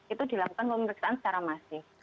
itu dilakukan pemeriksaan secara masif